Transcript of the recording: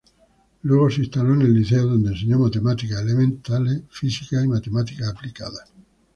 Luego se instaló en el Liceo, donde enseñó matemáticas elementales, física y matemáticas aplicadas.